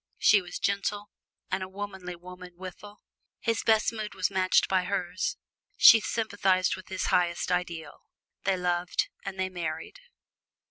She was gentle, and a womanly woman withal; his best mood was matched by hers, she sympathized with his highest ideal. They loved and they married.